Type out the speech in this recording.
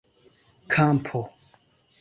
kampo